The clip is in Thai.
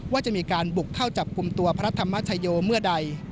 ว่าจะมีการบุกเข้าจับกลุ่มตัวพระธรรมชโยเมื่อใด